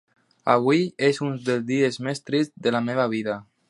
Avui és un dels dies més trists de la meva vida.